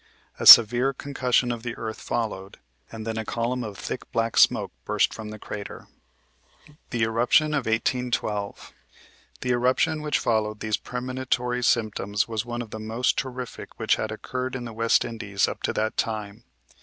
A severe concussion of the earth followed, and then a column of thick black smoke burst from the crater. THE ERUPTION OF 1812 The eruption which followed these premonitory symptoms was one of the most terrific which had occurred in the West Indies up to that time.